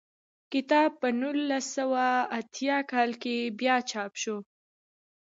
کتاب په نولس سوه اتیا کال کې بیا چاپ شو.